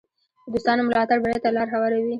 د دوستانو ملاتړ بری ته لار هواروي.